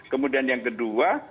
kemudian yang kedua